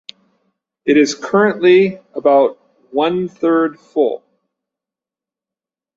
It is currently about one third full.